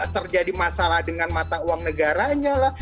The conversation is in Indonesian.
terjadi masalah dengan mata uang negaranya lah